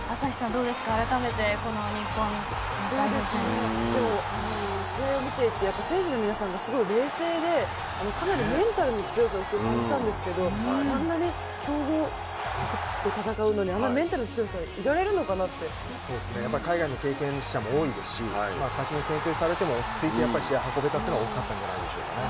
どうですか試合を見ていて選手の皆さんが冷静でかなりメンタルの強さを感じたんですけれどもあんなに強豪と戦うのにあのメンタルの強さでやっぱり海外の経験者も多いですし先に先制されても、落ち着いて試合を運べたのが大きかったんじゃないでしょうか。